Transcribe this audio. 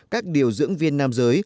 các điều dưỡng viên nam giới